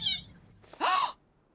あっ！